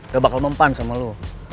dia bakal mempan sama lo